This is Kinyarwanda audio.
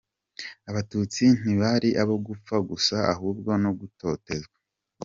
Abatutsi ntibari abo gupfa gusa, ahubwo no gutotezwa ».